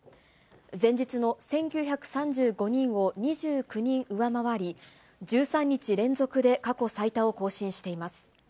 前日の１９３５人を２９人上回り、１３日連続で過去最多を更新しています。